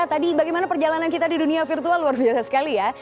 tadi bagaimana perjalanan kita di dunia virtual luar biasa sekali ya